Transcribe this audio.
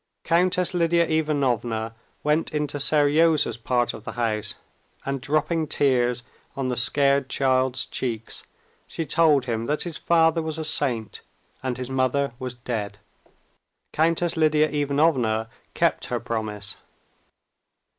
Countess Lidia Ivanovna went into Seryozha's part of the house, and dropping tears on the scared child's cheeks, she told him that his father was a saint and his mother was dead. Countess Lidia Ivanovna kept her promise.